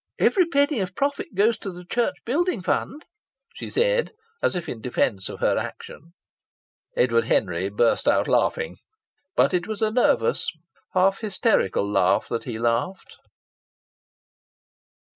"Every penny of profit goes to the Church Building Fund," she said, as if in defence of her action. Edward Henry burst out laughing; but it was a nervous, half hysterical laugh that he laughed.